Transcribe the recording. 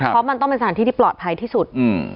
เพราะมันต้องเป็นสถานที่ที่ปลอดภัยที่สุด